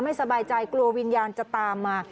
สบายใจกลัววิญญาณจะตามมา